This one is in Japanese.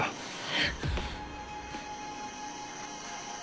えっ？